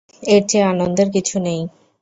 এর চেয়ে আনন্দের কিছু নেই।